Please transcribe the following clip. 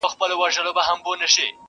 له توتکیو پاته بهار دی,